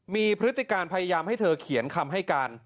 มีพฤติการพยายามให้เธอเขียนคำให้การ